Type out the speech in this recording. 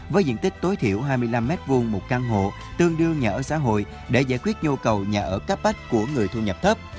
với diện tích tối thiểu hai mươi năm m hai một căn hộ tương đương nhà ở xã hội để giải quyết nhu cầu nhà ở cấp bách của người thu nhập thấp